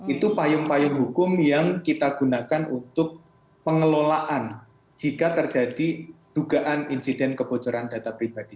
itu payung payung hukum yang kita gunakan untuk pengelolaan jika terjadi dugaan insiden kebocoran data pribadi